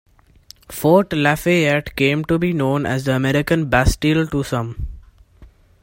Fort Lafayette came to be known as the "American Bastille" to some.